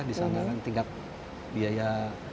di sana kan tingkat biaya